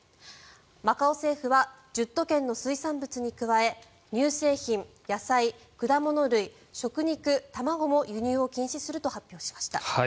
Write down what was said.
マカオ政府は１０都県の水産物に加え乳製品、野菜、果物類食肉、卵も輸入を禁止すると発表しました。